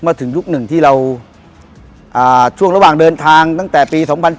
ยุคหนึ่งที่เราช่วงระหว่างเดินทางตั้งแต่ปี๒๐๑๙